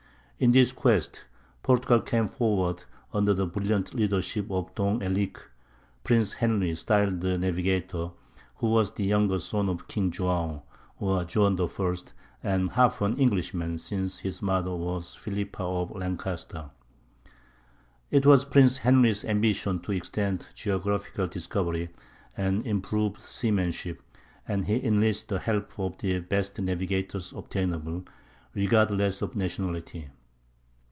In this quest Portugal came forward under the brilliant leadership of Dom Henrique (Prince Henry), styled "the Navigator," who was the younger son of King João (or John) I, and half an Englishman, since his mother was Philippa of Lancaster. It was Prince Henry's ambition to extend geographical discovery and improve seamanship, and he enlisted the help of the best navigators obtainable, regardless of nationality.